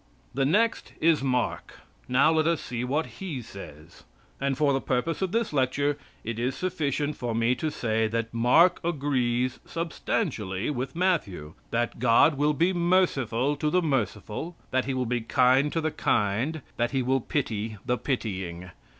The next is Mark. Now let us see what he says. And for the purpose of this lecture it is sufficient for me to say that Mark agrees, substantially, with Matthew, that God will be merciful to the merciful; that He will be kind to the kind that He will pity the pitying.